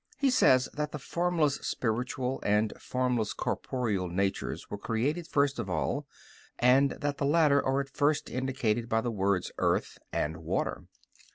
He says that the formless spiritual and formless corporeal natures were created first of all, and that the latter are at first indicated by the words "earth" and "water."